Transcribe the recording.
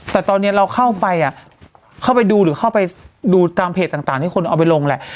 แต่ตอนนี้เราเข้าไปดูตามเพจต่างที่คนเอาไปลงแหละ